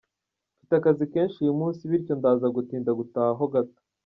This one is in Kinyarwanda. Mfite akazi kenshi uyu munsi, bityo ndaza gutinda gutaha ho gato.